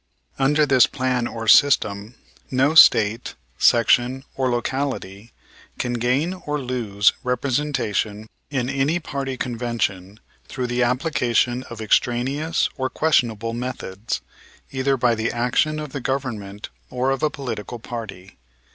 Under this plan or system, no State, section or locality can gain or lose representation in any party convention through the application of extraneous or questionable methods, either by the action of the government or of a political party.